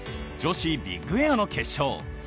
女子ビッグエアの決勝。